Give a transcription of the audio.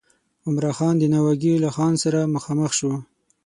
عمرا خان د ناوګي له خان سره مخامخ شو.